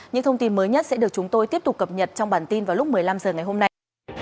những thông tin mới nhất sẽ được chúng tôi tiếp tục cập nhật trong bản tin vào lúc một mươi năm h ngày hôm nay